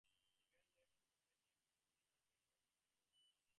The band later found a new bass guitar player, Dominik Palmer.